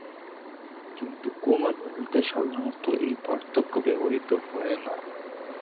কিন্তু ইউকে/কমনয়েলথ এ সাধারণত এই পার্থক্য ব্যবহৃত হয়না।